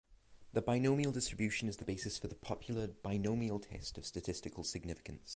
The binomial distribution is the basis for the popular binomial test of statistical significance.